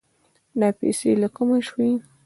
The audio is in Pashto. دا پيسې له کومه شوې؟